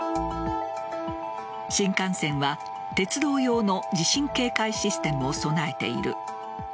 新幹線は鉄道用の地震警戒システムを備えている。